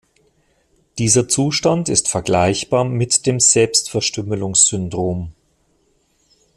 Dieser Zustand ist vergleichbar mit dem Selbstverstümmelungs-Syndrom.